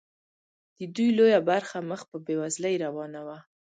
د دوی لویه برخه مخ په بیوزلۍ روانه وه.